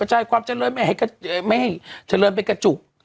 กระจายความเจริญไม่เจริญไปกระจุก